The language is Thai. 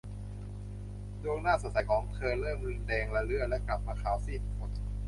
ดวงหน้าสดใสของเธอ เริ่มแดงระเรื่อและกลับมาขาวซีดอีกหน